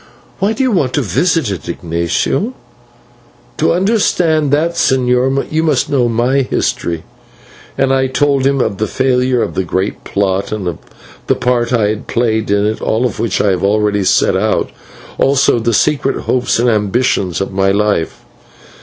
"Why do you want to visit it, Ignatio?" "To understand that, señor, you must know my history." And I told him of the failure of the great plot and the part that I had played in it, all of which I have already set out, also of the secret hopes and ambitions of my life.